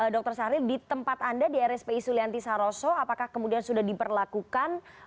dr syahril di tempat anda di rspi sulianti saroso apakah kemudian sudah diperlakukan